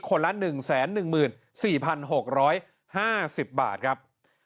คนละ๑แสน๑หมื่น๔พัน๖๕๐บาทครับ